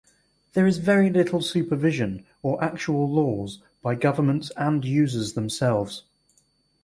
There is very little supervision or actual laws by governments and users themselves.